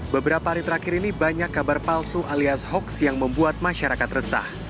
beberapa hari terakhir ini banyak kabar palsu alias hoax yang membuat masyarakat resah